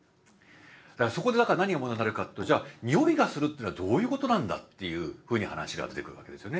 そこでだから何を学べるかっていうとじゃあ匂いがするっていうのはどういうことなんだっていうふうに話が出てくるわけですよね。